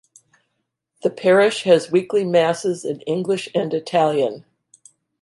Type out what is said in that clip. The parish has weekly masses in English and Italian.